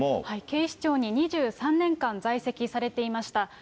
警視庁に２３年間、在籍されていました。